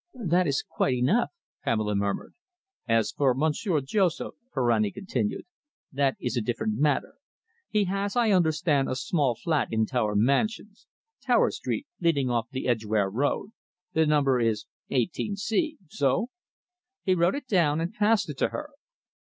"That is quite enough," Pamela murmured. "As for Monsieur Joseph," Ferrani continued, "that is a different matter. He has, I understand, a small flat in Tower Mansions, Tower Street, leading off the Edgware Road. The number is 18C. So!" He wrote it down and passed it to her.